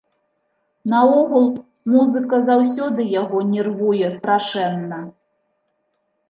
Наогул, музыка заўсёды яго нервуе страшэнна.